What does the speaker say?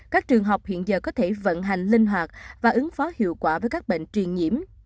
các trường học hiện giờ có thể vận hành linh hoạt và ứng phó hiệu quả với các bệnh truyền nhiễm